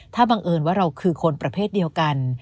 ถ้าบังเอิญว่าเราคือคนประเภทเดียวกัน